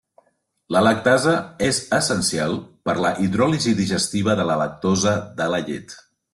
La lactasa és essencial per la hidròlisi digestiva de la lactosa de la llet.